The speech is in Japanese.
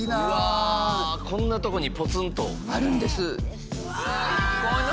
あこんなとこにポツンとあるんですわ